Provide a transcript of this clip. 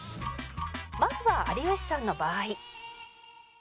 まずは有吉さんの場合